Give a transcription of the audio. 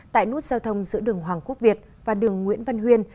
tại nút giao thông giữa đường hoàng quốc việt và đường nguyễn văn huyên